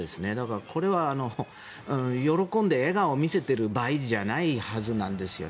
これは喜んで笑顔を見せてる場合じゃないはずなんです。